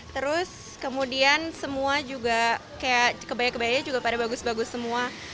terus kemudian semua juga kayak kebaya kebayanya juga pada bagus bagus semua